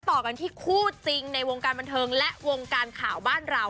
ต่อกันที่คู่จริงในวงการบันเทิงและวงการข่าวบ้านเรา